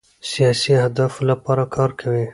سیاسي اهدافو لپاره کار کوي.